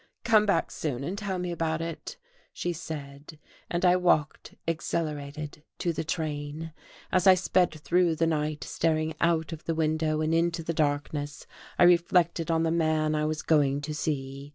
"Come back soon and tell me about it," she said, and I walked, exhilarated, to the train.... As I sped through the night, staring out of the window into the darkness, I reflected on the man I was going to see.